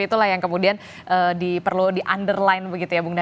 itulah yang kemudian perlu di underline